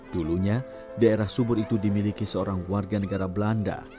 dulunya daerah subur itu dimiliki seorang warga negara belanda